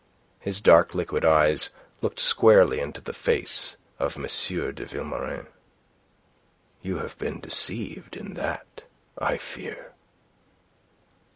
His dark, liquid eyes looked squarely into the face of M. de Vilmorin. "You have been deceived in that, I fear."